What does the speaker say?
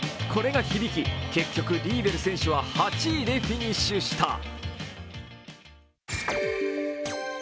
これが響き、結局リーベル選手は８位でフィニッシュした。